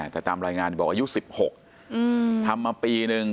แต่ตามรายงานบอกอายุ๑๖ทำมาปีนึง